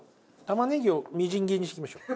玉ねぎをみじん切りにしましょう。